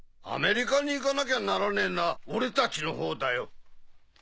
アメリカに行かなきゃならねえのは俺たちのほうだよ。